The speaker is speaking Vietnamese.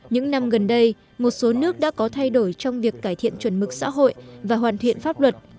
những năm gần đây một số nước đã có thay đổi trong việc cải thiện chuẩn mực xã hội và hoàn thiện pháp luật